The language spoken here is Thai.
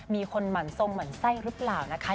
หมั่นทรงหมั่นไส้หรือเปล่านะคะ